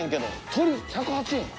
鶏１０８円。